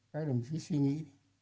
các đồng chí suy nghĩ